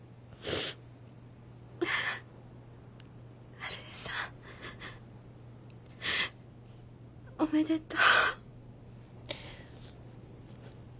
春江さんおめでとう。